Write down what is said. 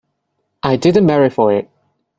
I didn't marry for it.